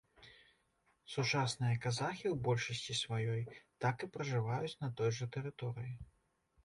Сучасныя казахі ў большасці сваёй так і пражываюць на той жа тэрыторыі.